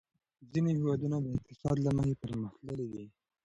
ځینې هېوادونه د اقتصاد له مخې پرمختللي دي.